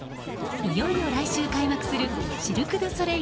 いよいよ来週開幕するシルク・ドゥ・ソレイユ